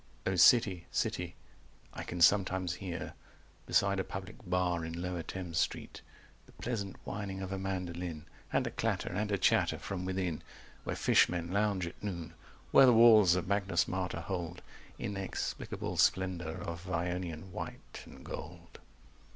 O City City, I can sometimes hear Beside a public bar in Lower Thames Street, 260 The pleasant whining of a mandoline And a clatter and a chatter from within Where fishmen lounge at noon: where the walls Of Magnus Martyr hold Inexplicable splendour of Ionian white and gold.